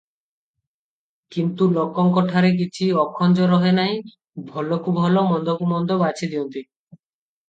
କିନ୍ତୁ ଲୋକଙ୍କଠାରେ କିଛି ଅଖଞ୍ଜ ରହେ ନାହିଁ, ଭଲକୁ ଭଲ, ମନ୍ଦକୁ ମନ୍ଦ, ବାଛିଦିଅନ୍ତି ।